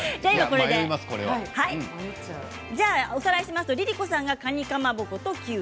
おさらいしますとＬｉＬｉＣｏさんはかにかまぼことキウイ。